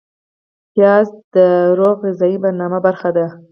پیاز د روغه غذایي برنامه برخه ده